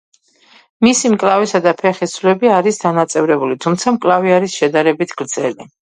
მისი მკლავისა და ფეხის ძვლები არის დანაწევრებული, თუმცა მკლავი არის შედარებით გრძელი.